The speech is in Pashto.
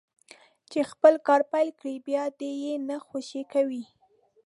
چې خپل کار پيل کړي بيا دې يې نه خوشي کوي.